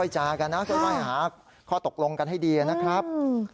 ใช่ครับ